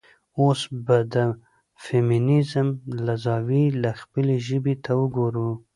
اوس به د د فيمينزم له زاويې نه خپلې ژبې ته وګورو.